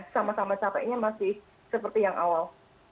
sama sama capeknya masih seperti yang awal